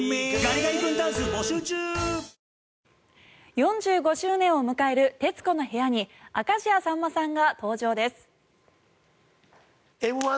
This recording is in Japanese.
４５周年を迎える「徹子の部屋」に明石家さんまさんが登場です。